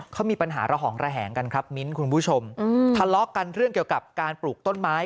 เขามีปัญหาระหองระแหงกันครับมิ้นท์คุณผู้ชมทะเลาะกันเรื่องเกี่ยวกับการปลูกต้นไม้